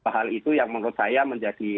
hal itu yang menurut saya menjadi